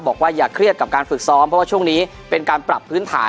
อย่าเครียดกับการฝึกซ้อมเพราะว่าช่วงนี้เป็นการปรับพื้นฐาน